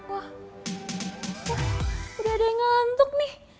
wah udah ada yang ngantuk nih